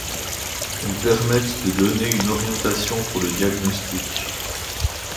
Elles permettent de donner une orientation pour le diagnostic.